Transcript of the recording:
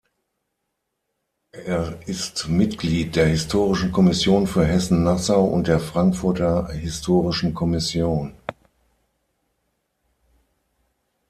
Er ist Mitglied der Historischen Kommission für Hessen-Nassau und der Frankfurter Historischen Kommission.